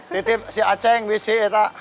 titip si aceng si eta